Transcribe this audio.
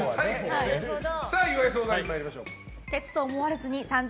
岩井相談員、参りましょう。